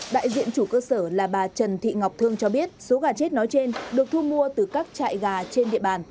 đại diện chủ cơ sở là bà trần thị ngọc thương cho biết số gà chết nói trên được thu mua từ các trại gà trên địa bàn